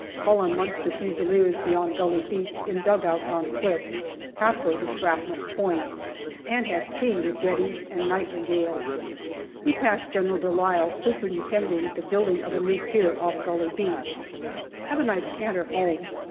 Call on Munster Fusiliers beyond Gully Beach in dugouts on cliff, half way to Shrapnel Point, and have tea with Geddes and Nightingale. We passed General de Lisle superintending the building of a new pier off Gully Beach. Have a nice canter home.